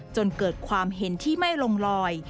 จนเกิดความเห็นที่ไม่ลงลอย